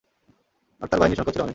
আর তার বাহিনীর সংখ্যাও ছিল অনেক।